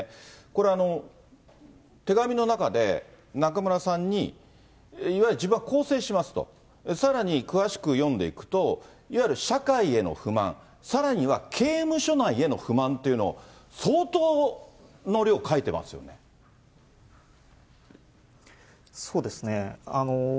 これ、手紙の中で、中村さんに、いわゆる自分は更生しますと、さらに詳しく読んでいくと、いわゆる社会への不満、さらには刑務所内への不満というのを、そうですね。